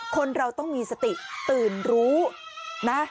คนเราต้องมีสติตื่นรู้นะ